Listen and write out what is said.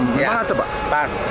mana tuh pak